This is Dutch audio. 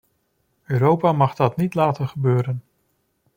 Europa mag dat niet laten gebeuren.